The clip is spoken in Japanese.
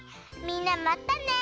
みんなまたね。